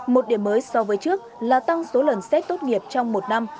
một điểm mới so với trước là tăng số lần xét tốt nghiệp trong một năm